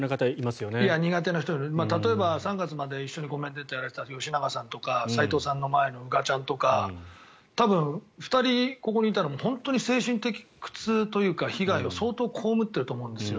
苦手というか例えば３月まで一緒にコメンテーターをしていた吉永さんとか斎藤さんの前の宇賀ちゃんとか多分、２人、ここにいたら本当に精神的苦痛というか被害を相当被っていると思うんですよ。